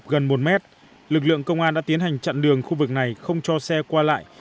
gần một mét lực lượng công an đã tiến hành chặn đường khu vực này không cho xe qua lại